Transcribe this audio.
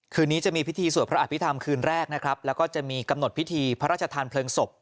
คืนนี้จะมีพิธีสวดพระอภิษฐรรมคืนแรกนะครับแล้วก็จะมีกำหนดพิธีพระราชทานเพลิงศพ